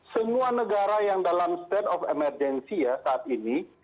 semua negara yang dalam state of emergency ya saat ini